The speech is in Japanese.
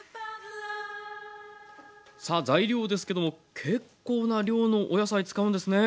さあ材料ですけども結構な量のお野菜使うんですね。